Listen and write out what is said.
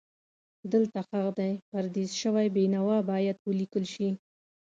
دلته ښخ دی پردیس شوی بېنوا باید ولیکل شي.